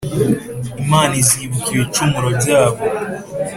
Imana izibuka ibicumuro byabo,